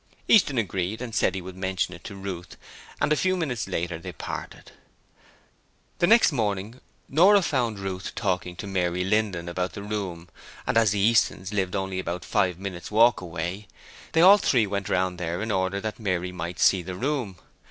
Easton agreed and said he would mention it to Ruth, and a few minutes later they parted. The next morning Nora found Ruth talking to Mary Linden about the room and as the Eastons lived only about five minutes' walk away, they all three went round there in order that Mary might see the room.